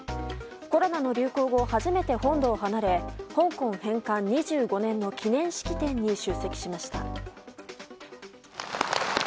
コロナの流行後初めて本土を離れ香港返還２５周年の記念式典に出席しました。